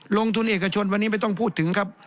ลงทุนเอกชนวันนี้ไม่ต้องพูดถึงครับ